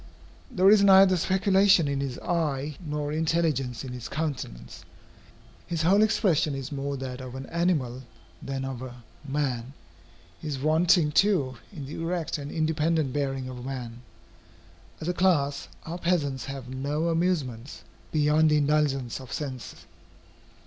There is neither speculation in his eye nor intelligence in his countenance. His whole expression is more that of an animal than of a man. He is wanting too in the erect and independent bearing of a man. As a class, our peasants have no amusements beyond the indulgence of sense.